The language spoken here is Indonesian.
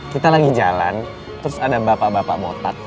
kita lagi jalan terus ada bapak bapak motak